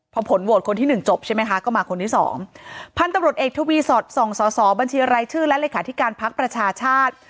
พอผลโหวตคนที่หนึ่งจบใช่ไหมคะก็มาคนที่สองพันธุ์ตำรวจเอกทวีสอดส่องสอสอบัญชีรายชื่อและเลขาธิการพักประชาชาติ